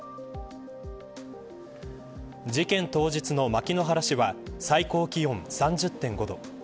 事件当日の牧之原市は最高気温３０．５度。